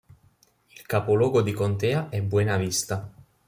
Il capoluogo di contea è Buena Vista.